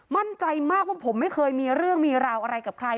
มั่นใจมากว่าผมไม่เคยมีเรื่องมีราวอะไรกับใคร